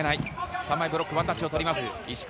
３枚ブロック、ワンタッチをとります、石川。